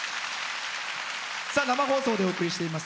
生放送でお送りしています